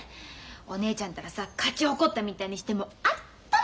お姉ちゃんったらさ勝ち誇ったみたいにしてもうあったま